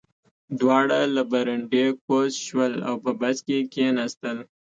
دواړه له برنډې کوز شول او په بس کې کېناستل